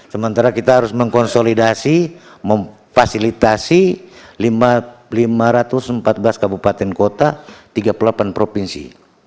sementara kita harus mengkonsolidasi memfasilitasi lima ratus empat belas kabupaten kota tiga puluh delapan provinsi